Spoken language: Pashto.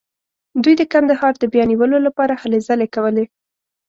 دوی د کندهار د بیا نیولو لپاره هلې ځلې کولې.